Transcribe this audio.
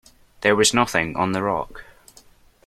There was nothing on the rock.